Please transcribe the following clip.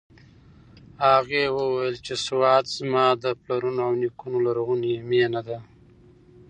هغې وویل چې سوات زما د پلرونو او نیکونو لرغونې مېنه ده.